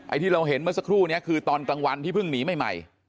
ที่เราเห็นเมื่อสักครู่นี้คือตอนกลางวันที่เพิ่งหนีใหม่